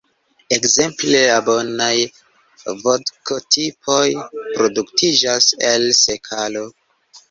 Ekzemple la bonaj vodko-tipoj produktiĝas el sekalo.